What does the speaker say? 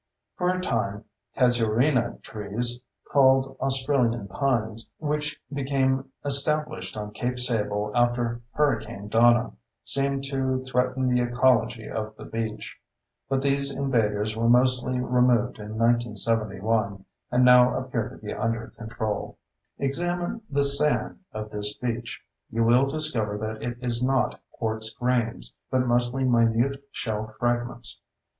For a time, casuarina trees (called "Australian pines"), which became established on Cape Sable after Hurricane Donna, seemed to threaten the ecology of the beach. But these invaders were mostly removed in 1971, and now appear to be under control. Examine the "sand" of this beach. You will discover that it is not quartz grains—but mostly minute shell fragments.